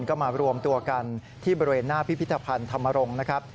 ก็มารวมตัวกันที่บริเวณหน้าพิพิธภัณฑ์ธรรมรงค์นะครับ